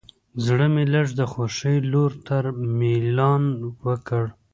زړه مې لږ د خوښۍ لور ته میلان وکړ.